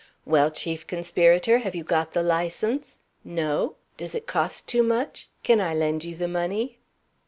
"Well, Chief Conspirator, have you got the License? No? Does it cost too much? Can I lend you the money?"